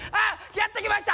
やって来ました！